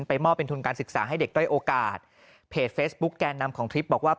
มอบเป็นทุนการศึกษาให้เด็กด้อยโอกาสเพจเฟซบุ๊กแกนนำของคลิปบอกว่า